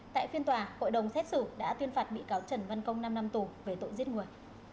tại phiên tòa hội đồng xét xử đã tuyên phạt bị cáo trần văn công năm năm tù về tội giết người